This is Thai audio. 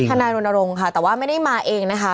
นายรณรงค์ค่ะแต่ว่าไม่ได้มาเองนะคะ